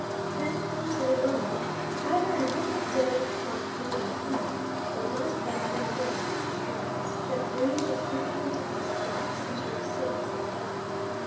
Then comes a lull, either an utter dead hot brooding calm, or light baffling winds and draughts that breathe a few panting hot breaths into your sails and die.